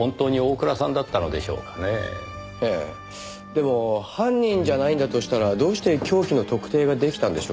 でも犯人じゃないんだとしたらどうして凶器の特定が出来たんでしょうか？